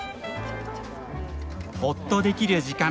ホッとできる時間。